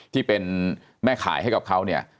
ที่เป็นแม่ขายให้กับเขาเนี่ย